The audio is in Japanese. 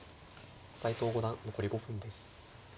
斎藤五段残り５分です。